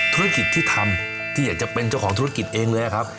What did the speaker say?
ธุรกิจที่ทำที่อยากจะเป็นเจ้าของธุรกิจเองเลยครับ